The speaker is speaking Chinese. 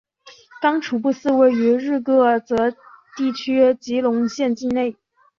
刚楚布寺位于日喀则地区吉隆县境内。